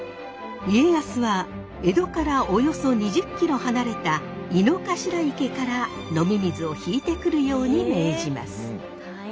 家康は江戸からおよそ２０ｋｍ離れた井の頭池から飲み水を引いてくるように命じます。